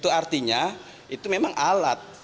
itu artinya itu memang alat